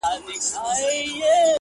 اوس د شپې سوي خوبونه زما بدن خوري؛